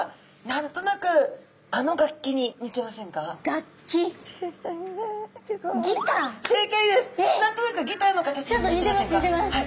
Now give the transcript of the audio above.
何となくギターの形に似てませんか？